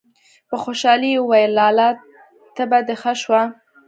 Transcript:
په خوشالي يې وويل: لالا! تبه دې ښه شوه!!!